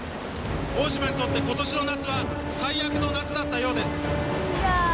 大島にとって今年の夏は最悪の夏だったようです